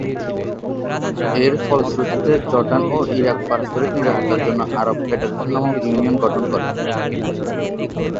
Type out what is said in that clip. এর ফলশ্রুতিতে জর্ডান ও ইরাক পারস্পরিক নিরাপত্তার জন্য আরব ফেডারেশন নামক ইউনিয়ন গঠন করে।